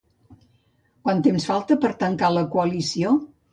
Quant temps falta per tancar la coalició?